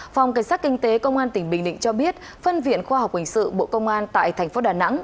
phòng cảnh sát kinh tế công an tp bình định cho biết phân viện khoa học quyền sự bộ công an tại tp đà nẵng